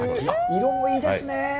色もいいですね。